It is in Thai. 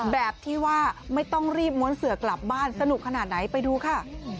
แบบที่ว่าไม่ต้องรีบม้วนเสือกลับบ้านสนุกขนาดไหนไปดูค่ะ